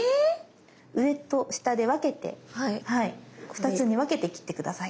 上と下で分けて２つに分けて切って下さい。